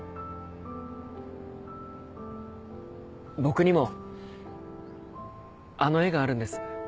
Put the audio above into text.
僕にもあの絵があるんです。